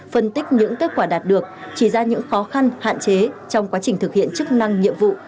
phân tích những kết quả đạt được chỉ ra những khó khăn hạn chế trong quá trình thực hiện chức năng nhiệm vụ